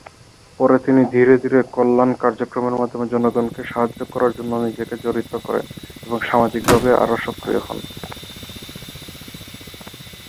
পরে তিনি ধীরে ধীরে, কল্যাণ কার্যক্রমের মাধ্যমে জনগণকে সাহায্য করার জন্য নিজেকে জড়িত করেন, এবং সামাজিকভাবে আরো সক্রিয় হন।